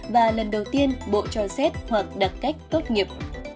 và lần đầu tiên bộ cho xét hoặc đặt cách tốt nghiệp